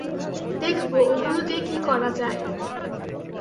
দেখবো ওগুলো দিয়ে কী করা যায়।